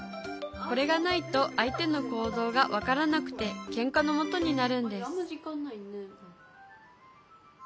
これがないと相手の行動が分からなくてケンカのもとになるんです